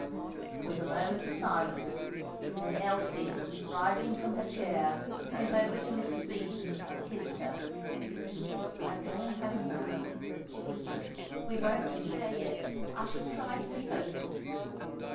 There was a moment of silence; then Elsie, rising from her chair, went over to Mrs. Beaton and kissed her. "I am going home now," she whispered. "We won't despair yet. I shall try to be hopeful."